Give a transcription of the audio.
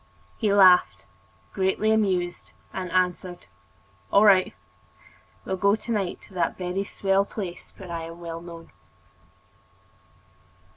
He laughed, greatly amused, and answered: "All right, we will go to night to a very swell place where I am well known."